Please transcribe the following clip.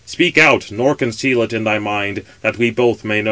Speak out, nor conceal it in thy mind, that we both may know."